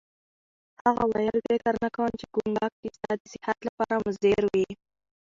هغه وویل: فکر نه کوم چي کوګناک دي ستا د صحت لپاره مضر وي.